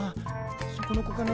そこの子かな？